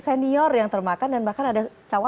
senior yang termakan dan bahkan ada